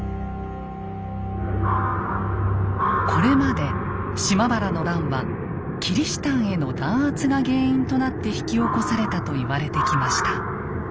これまで島原の乱はキリシタンへの弾圧が原因となって引き起こされたと言われてきました。